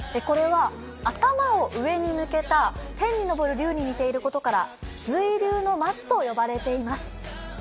これは頭を上に抜けた天に昇る龍に似ていることから瑞龍の松と呼ばれています。